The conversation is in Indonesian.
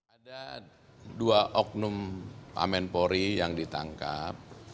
ada dua oknum pamen polri yang ditangkap